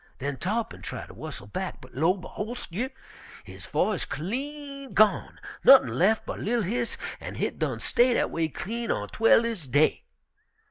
Den Tarr'pin try ter whustle back, but lo, beholst you! his voice clean gone, nuttin' lef' but a li'l hiss, an' hit done stay dat a way clean ontwel dis day.